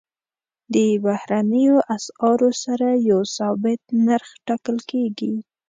د بهرنیو اسعارو سره یو ثابت نرخ ټاکل کېږي.